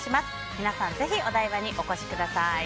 皆さんぜひお台場にお越しください。